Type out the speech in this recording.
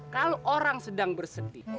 kalau orang sedang bersedih